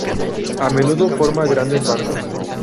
A menudo forma grandes bancos.